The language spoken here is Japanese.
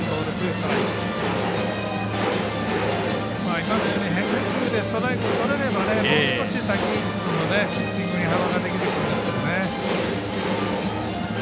今のように変化球でストライクをとれればもう少し滝口君もピッチングに幅ができるんですけどね。